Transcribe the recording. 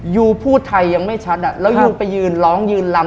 ยูพูดไทยยังไม่ชัดอ่ะแล้วยูไปยืนร้องยืนลำ